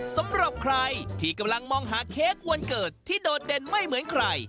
สำหรับใครที่กำลังมองหาเค้กวันเกิดที่โดดเด่นไม่เหมือนใคร